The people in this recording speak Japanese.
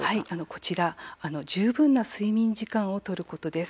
まずは十分な睡眠時間を取ることです。